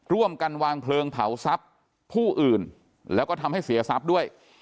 ร่วมกันวางเพลิงเผาทรัพย์ผู้อื่นแล้วก็ทำให้เสียทรัพย์ด้วย